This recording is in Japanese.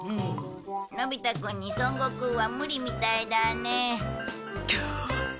のび太くんに孫悟空は無理みたいだね。